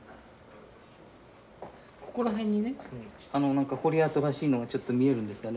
ここら辺にね彫り跡らしいのがちょっと見えるんですがね